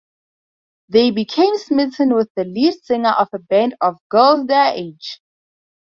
They become smitten with the lead singer of a band of girls their age.